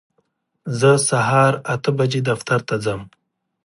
زه هر سهار اته بجې دفتر ته ځم.